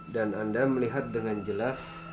dan anda melihat dengan jelas